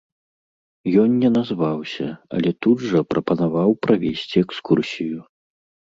Ён не назваўся, але тут жа прапанаваў правесці экскурсію.